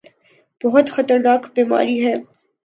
بہت خطرناک بیماری ہے۔